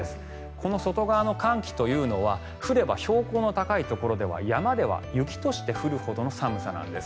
この外側の寒気というのは降れば標高の高いところでは山では雪として降るほどの寒さなんです。